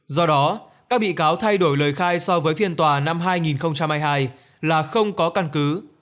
do đó các bị cáo thay đổi lời khai so với phiên tòa năm hai nghìn hai mươi hai là không có căn cứ